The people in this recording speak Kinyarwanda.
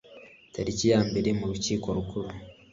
tariki ya mbere mu rukiko rukuru